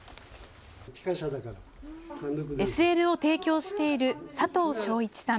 ＳＬを提供している佐藤昭一さん